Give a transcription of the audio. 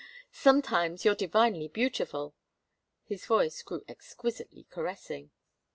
Sometimes you're divinely beautiful." His voice grew exquisitely caressing.